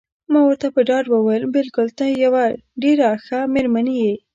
ما ورته په ډاډ وویل: بلکل ته مې یوه ډېره ښه میرمن یې.